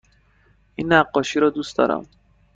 این نقاشی را دوست دارم.